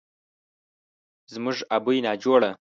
زموږ ابۍ ناجوړه